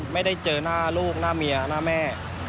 ไม่ได้เจอหน้าลูกหน้าเมียหน้าแม่